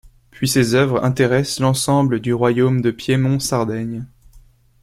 Puis ses œuvres intéressent l'ensemble du royaume de Piémont-Sardaigne.